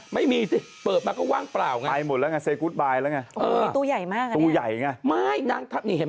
ไม่มีไงนางทำนี่เฮียสิ่งนี้ไหม